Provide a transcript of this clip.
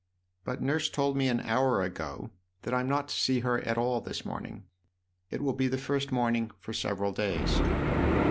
" But Nurse told me an hour ago that I'm not to see her at all this morning. It will be the first morning for several days."